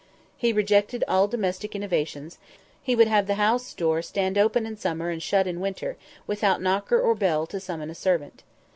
He rejected all domestic innovations; he would have the house door stand open in summer and shut in winter, without knocker or bell to summon a servant.